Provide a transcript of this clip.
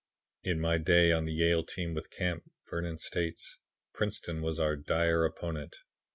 "In my day on the Yale team with Camp," Vernon states, "Princeton was our dire opponent.